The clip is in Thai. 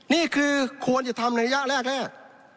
นี่คือควรจะทำในระยะแรก